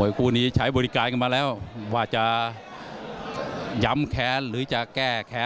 วยคู่นี้ใช้บริการกันมาแล้วว่าจะย้ำแค้นหรือจะแก้แค้น